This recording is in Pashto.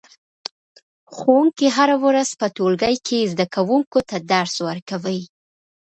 ښوونکی هره ورځ په ټولګي کې زده کوونکو ته درس ورکوي